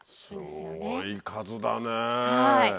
すごい数だね。